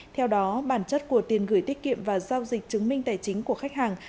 theo đó bản chất của tiền gửi tiết kiệm và giao dịch chứng minh tài chính của khách hàng